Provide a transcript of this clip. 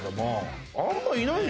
あんまいないよ